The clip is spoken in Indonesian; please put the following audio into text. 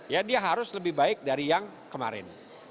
ya dia harus lebih baik dari yang kemarin